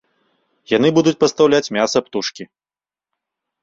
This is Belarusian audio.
Яны будуць пастаўляць мяса птушкі.